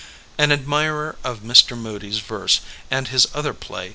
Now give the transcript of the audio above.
An admirer of Mr. Moody's verse, and his other play.